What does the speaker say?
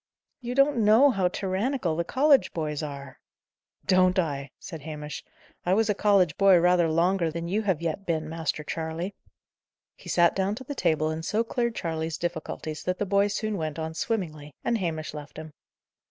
"You don't know how tyrannical the college boys are." "Don't I!" said Hamish. "I was a college boy rather longer than you have yet been, Master Charley." He sat down to the table and so cleared Charley's difficulties that the boy soon went on swimmingly, and Hamish left him.